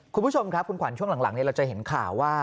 คุณผู้ชมครับคุณขวัญช่วงหลังเราจะเห็นข่าวว่า